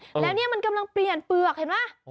แล้วนี่มันกำลังเปลี่ยนเปลือกเห็นไหม